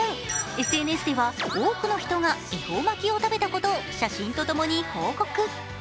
ＳＮＳでは多くの人が恵方巻きを食べたことを写真とともに報告。